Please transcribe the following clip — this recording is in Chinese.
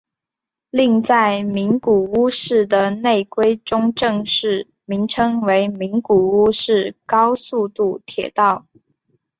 另在名古屋市的内规中正式名称为名古屋市高速度铁道。